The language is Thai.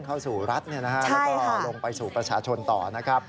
เข้าสู่รัฐแล้วก็ลงไปสู่ประชาชนต่อนะครับ